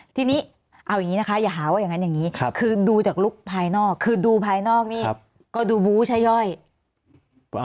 ทีนี้เอาอย่างนี้นะคะอย่าหาว่าอย่างนั้นอย่างนี้คือดูจากลุคภายนอกคือดูภายนอกนี่ก็ดูบู้ชะย่อย